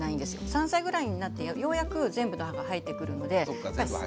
３歳ぐらいになってようやく全部の歯が生えてくるので。